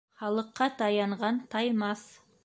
Халыҡҡа таянған таймаҫ.